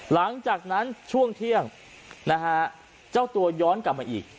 หลังจากนั้นช่วงเที่ยงนะฮะเจ้าตัวย้อนกลับมาอีก